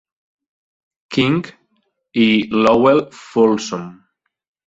King i Lowell Fulsom.